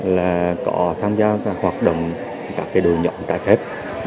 là có tham gia hoạt động các đội nhóm trái phép